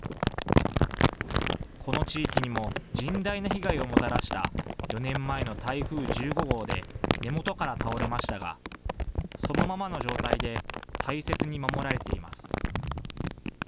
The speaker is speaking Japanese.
この地域にも甚大な被害をもたらした４年前の台風１５号で根元から倒れましたがそのままの状態で大切に守られています。